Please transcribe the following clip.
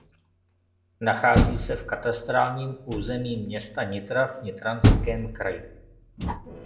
Nachází se v katastrálním území města Nitra v Nitranském kraji.